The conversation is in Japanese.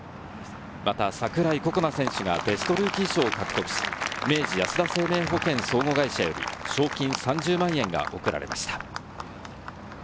櫻井心那選手がベストルーキー賞を獲得し、明治安田生命保険相互会社より賞金３０万円が贈られました。